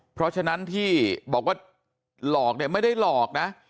เพราะฉะนั้นที่บอกว่าหลอกเนี่ยไม่ได้หลอกนะ